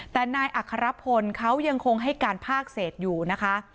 แต่นายอัครพลเขายังคงให้การภาคเศษอยู่นะคะ